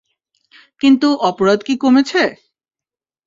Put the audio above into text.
কিন্তু অপরাধ কি কমেছে?